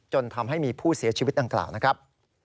จนทำให้มีผู้เสียชีวิตดังกล่าวนะครับ